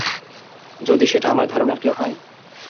যদি সেটা আমার ধারণার কেউ হয়?